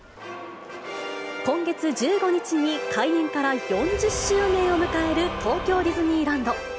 今月１５日に、開園から４０周年を迎える東京ディズニーランド。